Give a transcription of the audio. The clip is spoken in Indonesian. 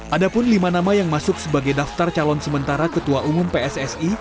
ada pun lima nama yang masuk sebagai daftar calon sementara ketua umum pssi